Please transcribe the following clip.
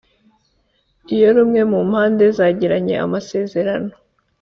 Iyo rumwe mu mpande zagiranye amasezerano